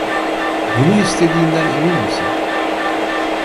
Bunu istediğinden emin misin?